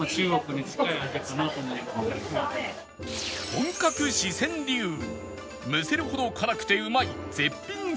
本格四川流むせるほど辛くてうまい絶品スープ